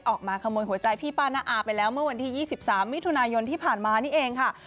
ออกมาขโมยหัวใจพี่ป้าน้าอาไปแล้วเมื่อวันที่๒๓มิถุนายนที่ผ่านมานี่เองค่ะ